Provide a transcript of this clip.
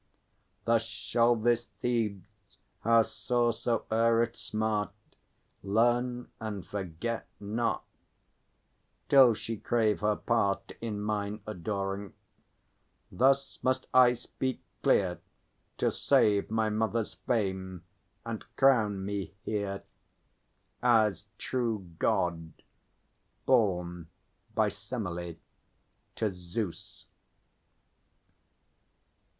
Thus shall this Thebes, how sore soe'er it smart, Learn and forget not, till she crave her part In mine adoring; thus must I speak clear To save my mother's fame, and crown me here As true God, born by Semelê to Zeus.